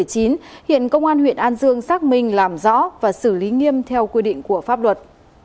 hiện công an huyện an dương xác minh làm rõ và xử lý nghiêm theo quy định của pháp luật